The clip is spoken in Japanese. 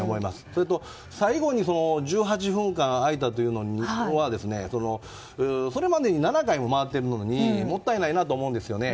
それと、最後に１８分間空いたというのはそれまでに７回も回っているのにもったいないと思うんですよね。